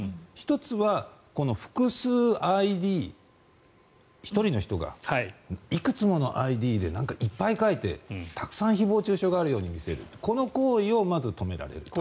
１つは複数ＩＤ１人の人がいくつものＩＤでいっぱい書いて、たくさん誹謗・中傷があるように見せるこの行為をまず止められると。